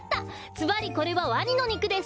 ずばりこれはワニのにくです。